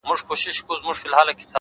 کابل ورانېږي; کندهار ژاړي; زابل ژاړي;